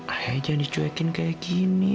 ayo jangan dicuekin kayak gini